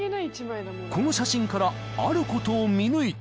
［この写真からあることを見抜いて］